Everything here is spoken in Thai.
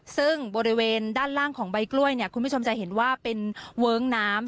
ซึ่งบริเวณด้านล่างของใบกล้วยเนี่ยคุณผู้ชมจะเห็นว่าเป็นเวิ้งน้ำ